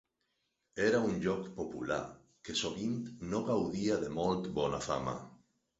Era un lloc popular, que sovint no gaudia de molt bona fama.